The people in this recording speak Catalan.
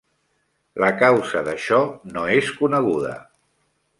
La causa d'això no és coneguda.